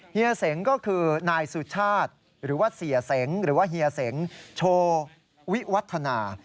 เฮียเสงก็คือนายสุชาติหรือว่าเสียเสงหรือว่าเฮียเสงโชวิวัฒนา